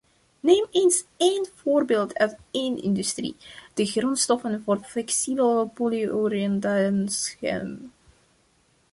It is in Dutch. Neem eens één voorbeeld uit één industrie, de grondstoffen voor flexibel polyurethaanschuim.